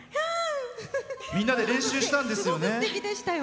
みんなで練習したんですよね。